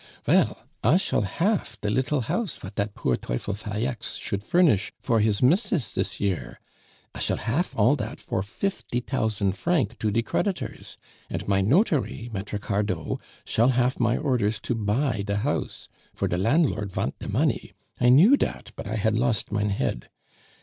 "Vell, I shall hafe de little house vat dat poor Teufel Falleix should furnish for his mis'ess this year. I shall hafe all dat for fifty tousant franc to de creditors; and my notary, Maitre Cardot, shall hafe my orders to buy de house, for de lan'lord vant de money I knew dat, but I hat lost mein head.